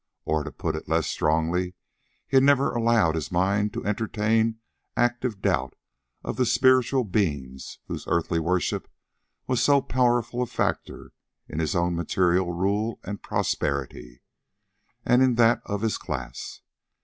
Or, to put it less strongly, he had never allowed his mind to entertain active doubt of the spiritual beings whose earthly worship was so powerful a factor in his own material rule and prosperity, and in that of his class.